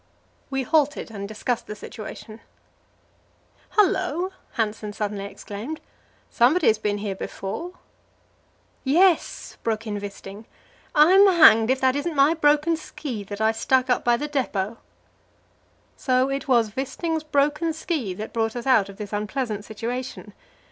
We halted and discussed the situation. "Hullo!" Hanssen suddenly exclaimed, "somebody has been here before." "Yes," broke in Wisting; "I'm hanged if that isn't my broken ski that I stuck up by the depot." So it was Wisting's broken ski that brought us out of this unpleasant situation.